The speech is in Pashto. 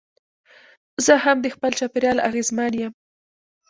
زه هم د خپل چاپېریال اغېزمن یم.